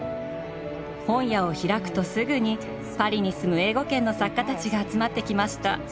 本屋を開くとすぐにパリに住む英語圏の作家たちが集まってきました。